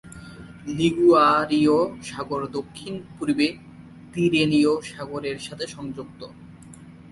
লিগুয়ারীয় সাগর দক্ষিণ-পূর্বে তিরেনীয় সাগরের সাথে সংযুক্ত।